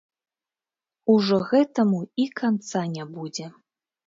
Ужо гэтаму і канца не будзе!